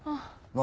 何？